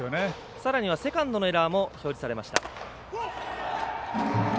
さらにはセカンドのエラーも表示されました。